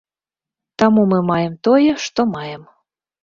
Таму мы маем тое, што маем.